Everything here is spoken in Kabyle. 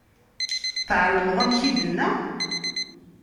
Tεelmeḍ amek i d-tenna?